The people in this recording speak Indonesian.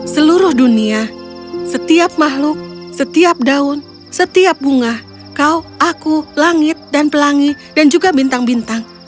seluruh dunia setiap makhluk setiap daun setiap bunga kau aku langit dan pelangi dan juga bintang bintang